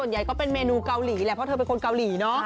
อย่างเมนูนี่ชื่อแปลกหน่อย